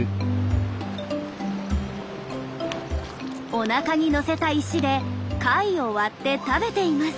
おなかにのせた石で貝を割って食べています。